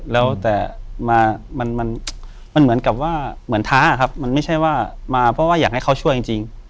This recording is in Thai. แล้วแต่มันเหมือนกับว่าเหมือนท้าครับมันไม่ใช่ว่ามาเพราะว่าอยากให้เขาช่วยจริง